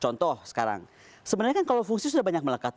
contoh sekarang sebenarnya kan kalau fungsi sudah banyak melekat